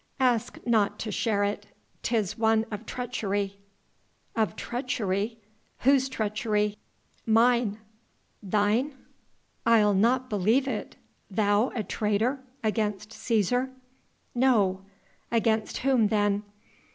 "Ask not to share it 'tis one of treachery." "Of treachery?... Whose treachery?..." "Mine." "Thine?... I'll not believe it.... Thou a traitor ... against Cæsar?" "No." "Against whom, then?"